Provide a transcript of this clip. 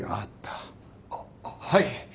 あっははい。